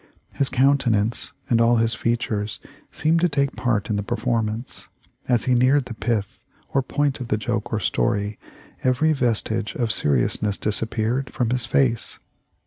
His countenance and all his features seemed to take part in the performance. As he neared the pith or point of the joke or story every vestige of serious ness disappeared from his face.